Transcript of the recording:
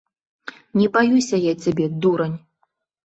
Не баюся я цябе, дурань!